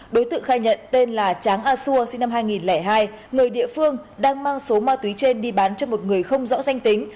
đối tượng khai nhận tên là tráng a xua sinh năm hai nghìn hai người địa phương đang mang số ma túy trên đi bán cho một người không rõ danh tính